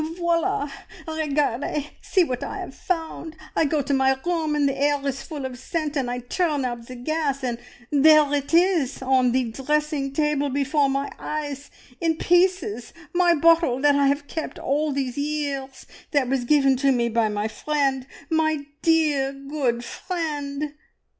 "Voila! Regardez See what I 'ave found! I go to my room, and the air is full of scent, and I turn up the gas, and there it is on the dressing table before my eyes in pieces! My bottle that I have kept all these years that was given to me by my friend my dear, good friend!"